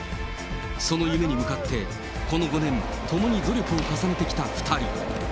その夢に向かって、この５年、共に努力を重ねてきた２人。